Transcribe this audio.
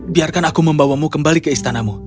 biarkan aku membawamu kembali ke istanamu